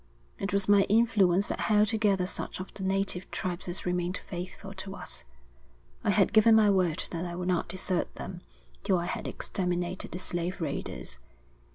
It was my influence that held together such of the native tribes as remained faithful to us. I had given my word that I would not desert them till I had exterminated the slave raiders.